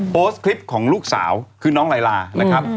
โพสต์คลิปของลูกสาวคือน้องลายลานะครับ